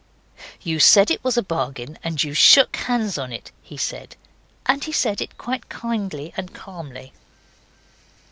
'You said it was a bargain, and you shook hands on it,' he said, and he said it quite kindly and calmly.